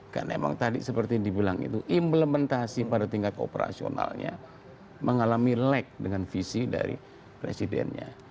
karena emang tadi seperti yang dibilang itu implementasi pada tingkat kooperasionalnya mengalami lag dengan visi dari presidennya